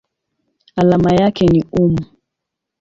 Alama yake ni µm.